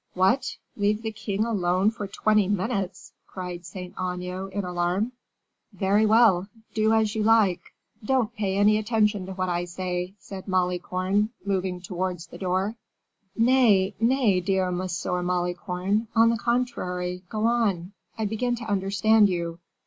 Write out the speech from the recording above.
"What! leave the king alone for twenty minutes?" cried Saint Aignan, in alarm. "Very well, do as you like; don't pay any attention to what I say," said Malicorne, moving towards the door. "Nay, nay, dear Monsieur Malicorne; on the contrary, go on I begin to understand you.